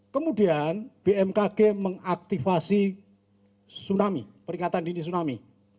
kemudian bmkg mengaktifasi tsunami peringatan dini tsunami